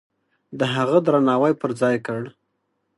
د هغه درناوی پرځای کړ.